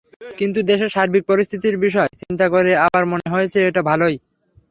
কিন্তু দেশের সার্বিক পরিস্থিতির বিষয় চিন্তা করে আবার মনে হয়েছে এটা ভালোই।